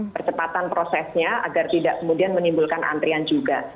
percepatan prosesnya agar tidak kemudian menimbulkan antrian juga